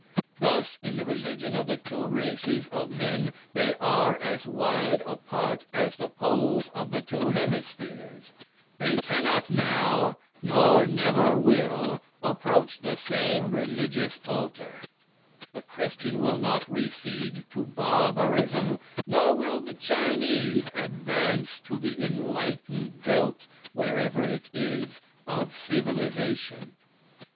Thus in the religion of the two races of men, they are as wide apart as the poles of the two hemispheres. They cannot now, nor never will, approach the same religious altar. The Christian will not recede to barbarism, nor will the Chinese advance to the enlightened belt [wherever it is] of civilization....